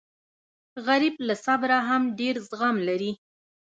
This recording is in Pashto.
غریب له صبره هم ډېر زغم لري